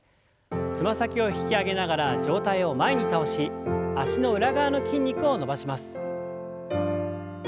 つま先を引き上げながら上体を前に倒し脚の裏側の筋肉を伸ばします。